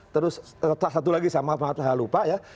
terus satu lagi maaf maaf saya lupa ya